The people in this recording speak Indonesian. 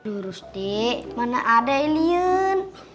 aduh rusti mana ada alien